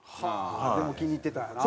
でも気に入ってたんやな。